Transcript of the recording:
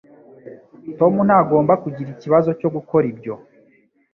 Tom ntagomba kugira ikibazo cyo gukora ibyo